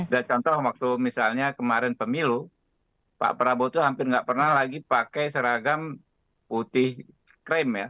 contoh waktu misalnya kemarin pemilu pak prabowo itu hampir nggak pernah lagi pakai seragam putih krem ya